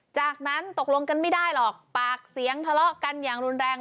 จากนั้นตกลงกันไม่ได้หรอกปากเสียงทะเลาะกันอย่างรุนแรง